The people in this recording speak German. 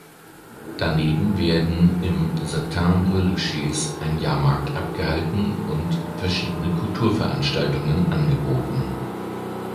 Daneben werden im "Settembre Lucchese" ein Jahrmarkt abgehalten und verschiedene Kulturveranstaltungen angeboten.